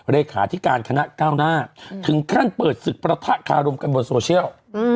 เลขาธิการคณะก้าวหน้าถึงขั้นเปิดศึกประทะคารมกันบนโซเชียล